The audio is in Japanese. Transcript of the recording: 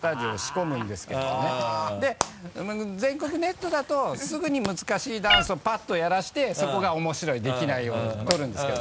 で全国ネットだとすぐに難しいダンスをパッとやらせてそこが面白いできないように撮るんですけど。